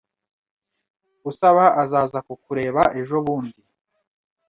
Usaba azaza kukureba ejobundi.